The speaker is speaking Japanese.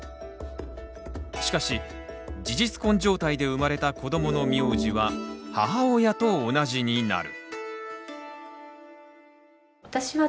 しかし事実婚状態で生まれた子どもの名字は母親と同じになる。